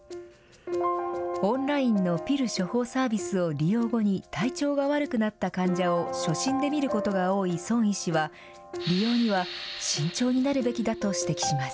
オンラインのピル処方サービスを利用後に体調が悪くなった患者を初診で見ることが多いソン医師は利用には慎重になるべきだと指摘します。